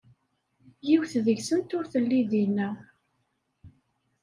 Yiwet deg-sent ur telli dina.